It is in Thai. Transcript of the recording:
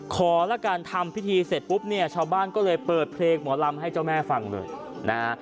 ละกันทำพิธีเสร็จปุ๊บเนี่ยชาวบ้านก็เลยเปิดเพลงหมอลำให้เจ้าแม่ฟังเลยนะฮะ